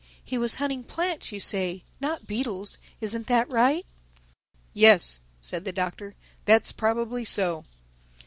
—He was hunting plants, you say, not beetles. Isn't that right?" "Yes," said the Doctor, "that's probably so."